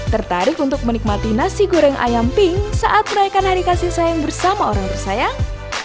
tertarik untuk menikmati nasi goreng ayam pink saat merayakan hari kasih sayang bersama orang tersayang